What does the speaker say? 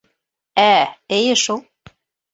— Ә-ә, эйе шул.